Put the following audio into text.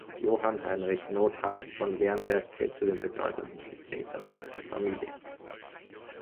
Johann Heinrich Notthafft von Wernberg zählt zu den bedeutendsten Vertretern seiner Familie.